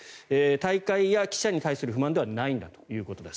大会や記者に対する不満ではないんだということです。